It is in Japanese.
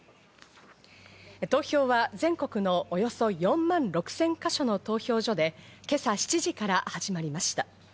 投票は全国のおよそ４万６０００か所の投票所で今朝７時から始まりました。